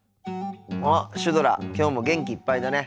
あっシュドラきょうも元気いっぱいだね。